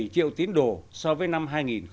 bảy triệu tiến đồ so với năm